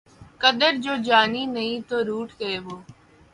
قدر جو جانی نہیں تو روٹھ گئے وہ